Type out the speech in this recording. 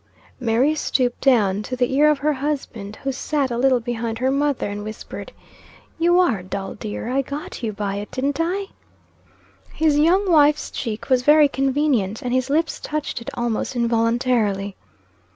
Mary stooped down to the ear of her husband, who sat a little behind her mother, and whispered, "You are dull, dear I got you by it, didn't I?" His young wife's cheek was very convenient, and his lips touched it almost involuntarily.